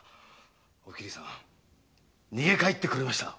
お桐さん逃げ帰ってくれました。